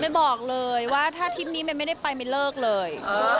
เมย์บอกเลยว่าถ้าทีนี้เมย์ไม่ได้ไปเมย์เลิกเลย